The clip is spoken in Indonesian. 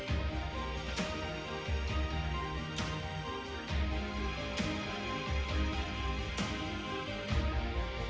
indonesia adalah kita bro